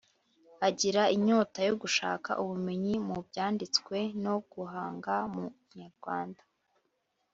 agira inyota yo gushaka ubumenyi mu byanditswe no guhanga mu kinyarwanda;